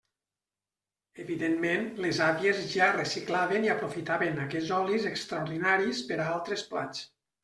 Evidentment les àvies ja reciclaven i aprofitaven aquests olis extraordinaris per a altres plats.